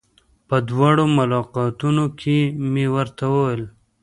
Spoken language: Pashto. په دواړو ملاقاتونو کې مې ورته وويل.